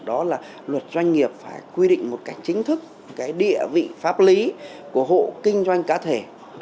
đó là luật doanh nghiệp phải quy định một cách chính thức cái địa vị pháp lý của hộ kinh doanh cá thể